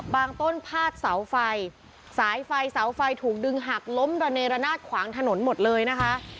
ต้นพาดเสาไฟสายไฟเสาไฟถูกดึงหักล้มระเนระนาดขวางถนนหมดเลยนะคะ